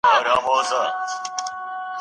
رسالت د پیغام رسولو دنده ده.